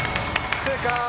正解！